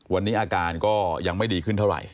วันนี้อาการก็ยังไม่ดีขึ้นเท่าไหร่